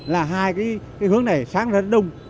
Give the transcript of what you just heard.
là hai cái hướng này sáng rất đông